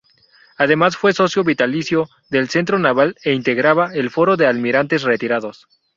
Además fue socio vitalicio del Centro Naval e integraba el Foro de Almirantes Retirados.